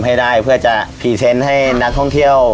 ให้ได้เพื่อจะพรีเซนต์ให้นักท่องเที่ยว